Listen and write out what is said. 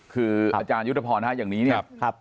คืออาจารยุตภพนะครับอย่างนี้เนี่ย